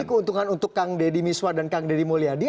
ini keuntungan untuk kang deddy miswar dan kang deddy mulyadi